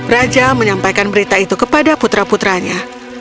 raja menyampaikan berita itu kepada putra putranya